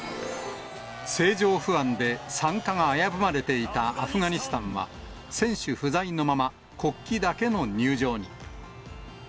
政情不安で参加が危ぶまれていたアフガニスタンは、選手不在のまま、国旗だけの入場に。